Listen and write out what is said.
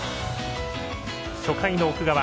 初回の奥川。